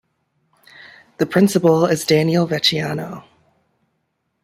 The principal is Daniel Vecchiano.